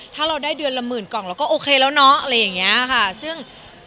ถ้าเราได้เดือนละหมื่นกล่องเราก็โอเคแล้วเนาะอะไรอย่างเงี้ยค่ะซึ่ง